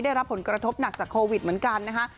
ได้รับผลกระทบหนักจากโควิดเหมือนกันนะคะ